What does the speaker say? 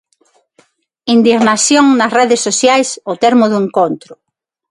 Indignación nas redes sociais ao termo do encontro.